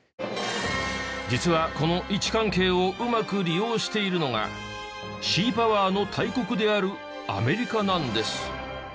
実はこの位置関係をうまく利用しているのがシーパワーの大国であるアメリカなんです。